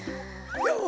よう！